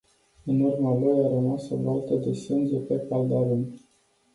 În urma lui, a rămas o baltă de sânge pe caldarâm.